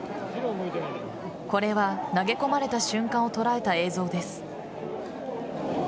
これは投げ込まれた瞬間を捉えた映像です。